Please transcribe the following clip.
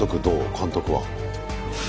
監督は。